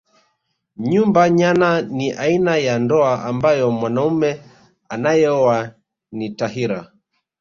Nyumba nyana ni aina ya ndoa ambayo mwanaume anayeoa ni tahira